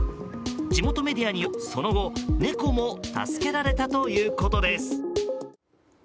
地元メディアによると、その後猫も助けられたということです。